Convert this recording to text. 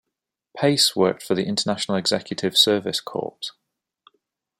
Pace worked for the International Executive Service Corps.